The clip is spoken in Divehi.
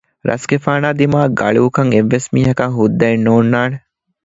ރަސްގެފާނާ ދިމާއަށް ގަޅިއުކަން އެއްވެސް މީހަކަށް ހުއްދައެއް ނޯންނާނެ